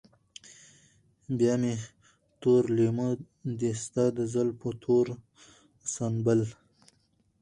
بيا مې تور لېمه دي ستا د زلفو تور سنبل